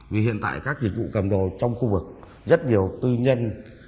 vì hiện tại các dịch vụ cầm đồ trong khu vực rất nhiều tư nhân